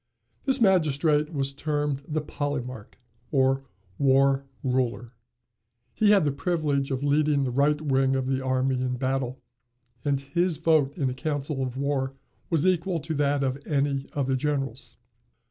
This magistrate was termed the "Polemarch" or War ruler, He had the privilege of leading the right wing of the army in battle, and his vote in a council of war was equal to that of any of the generals.